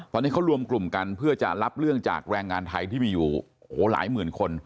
ตอนนี้เขารวมกลุ่มกันเพื่อจะรับเรื่องจากแรงงานไทยที่มีอยู่หลายหมื่นคน